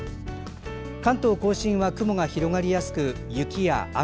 関東・甲信は雲が広がりやすく雪や雨。